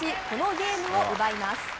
このゲームを奪います。